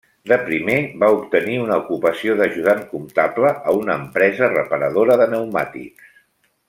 De primer, va obtenir una ocupació d'ajudant comptable a una empresa reparadora de pneumàtics.